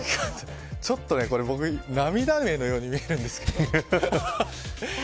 ちょっと僕、涙目のように見えるんですけど。